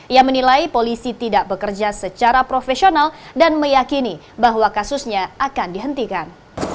ia menilai polisi tidak bekerja secara profesional dan meyakini bahwa kasusnya akan dihentikan